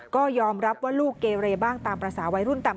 ก็ยอมรับว่าลูกเกเรบ้างตามภาษาวัยรุ่นต่ำ